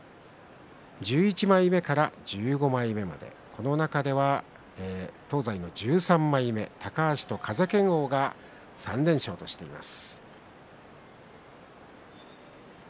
１１枚目から１５枚目までこの中では東西の１３枚目、高橋と風賢央が３連勝としています。